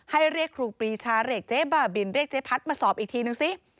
เรียกครูปรีชาเรียกเจ๊บ้าบินเรียกเจ๊พัดมาสอบอีกทีนึงสิ